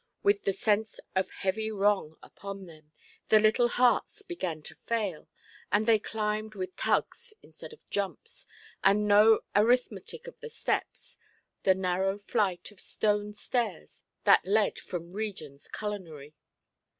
With the sense of heavy wrong upon them, the little hearts began to fail, as they climbed with tugs instead of jumps, and no arithmetic of the steps, the narrow flight of stone stairs that led from regions culinary.